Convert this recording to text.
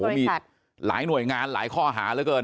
แล้วก็มีหลายหน่วยงานหลายข้ออาหารเหลือเกิน